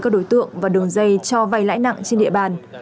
các đối tượng và đường dây cho vay lãi nặng trên địa bàn